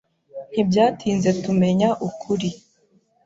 Ntibyatinze tumenya ukuri.